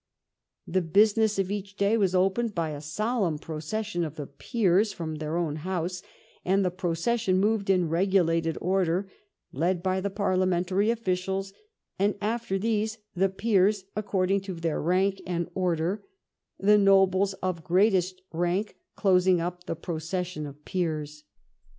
The business of each day was opened by a solemn procession of the peers from their own House, and the procession moved in regulated order, led by the par^ liamentary officials, and after these the peers accord ing to their rank and order, the nobles of greatest rank closing up the procession of peers.